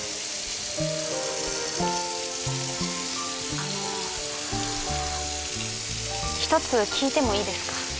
あの一つ聞いてもいいですか？